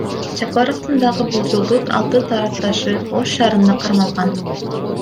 Жапаровдун дагы болжолдуу алты тарапташы Ош шаарында кармалган.